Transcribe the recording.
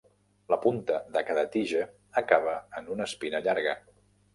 La punta de cada tija acaba en una espina llarga.